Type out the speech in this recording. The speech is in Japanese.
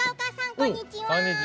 こんにちは。